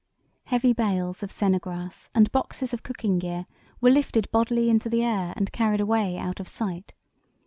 Heavy bales of sennegrass, and boxes of cooking gear, were lifted bodily in the air and carried away out of sight.